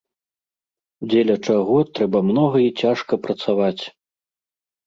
Дзеля чаго трэба многа і цяжка працаваць.